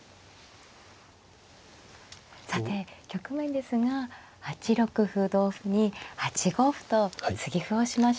さて局面ですが８六歩同歩に８五歩と継ぎ歩をしました。